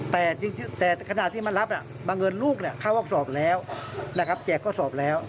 แต่ขณะที่มันรับบางเงินลูกเข้าออกสอบแล้วแจกก็สอบแล้ว